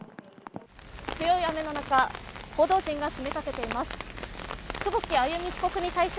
強い雨の中、報道陣が詰めかけています。